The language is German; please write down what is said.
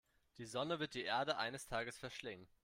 Die Sonne wird die Erde eines Tages verschlingen.